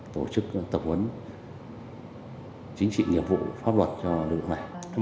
tổ chức tập huấn chính trị nghiệp vụ pháp luật cho đồng bàn này